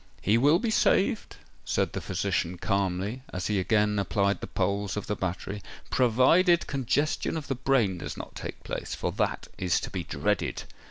"He will be saved," said the physician calmly, as he again applied the poles of the battery;—"provided congestion of the brain does not take place—for that is to be dreaded!"